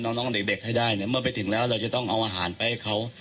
น้องเด็กให้ได้เนี่ยเมื่อไปถึงแล้วเราจะต้องเอาอาหารไปให้เขา